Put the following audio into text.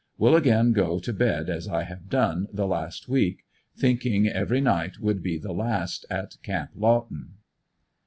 Will again go to bed as I have done the last week, thinking every night would be the last at Camp Lawton.